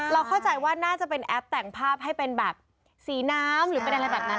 เข้าใจว่าน่าจะเป็นแอปแต่งภาพให้เป็นแบบสีน้ำหรือเป็นอะไรแบบนั้น